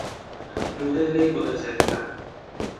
মুখে দিলেই গলে যায়, না?